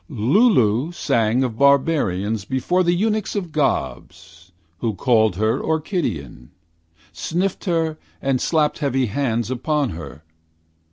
Lulu sang of barbarians before the eunuchs Of gobs, who called her orchidean. Sniffed her and slapped heavy hands Upon her.